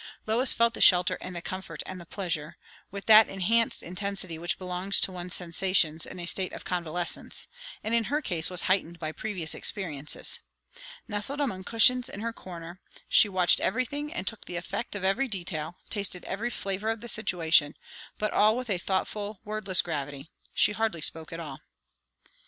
Lois felt the shelter and the comfort and the pleasure, with that enhanced intensity which belongs to one's sensations in a state of convalescence, and in her case was heightened by previous experiences. Nestled among cushions in her corner, she watched everything and took the effect of every detail; tasted every flavour of the situation; but all with a thoughtful, wordless gravity; she hardly spoke at all.